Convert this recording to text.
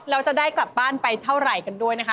แล้วจะได้กลับบ้านไปเท่าไหร่กันด้วยนะคะ